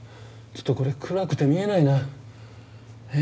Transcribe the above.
ちょっとこれ暗くて見えないな。